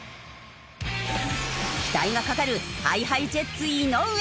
期待がかかるＨｉＨｉＪｅｔｓ井上。